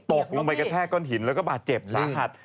ตกลงไปกระแทกก้อนหินแล้วก็บาดเจ็บสาหัส